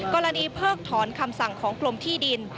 เพิกถอนคำสั่งของกรมที่ดิน